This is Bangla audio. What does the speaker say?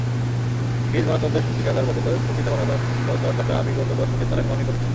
গ্রিস গণতন্ত্রের সূতিকাগার বটে, তবে প্রকৃত গণতন্ত্রচর্চাটা বিগত দশকে তাঁরা কমই করেছেন।